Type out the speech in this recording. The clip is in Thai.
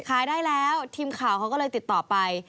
ขายได้แล้วทีมข่าวเขาก็เลยติดต่อไป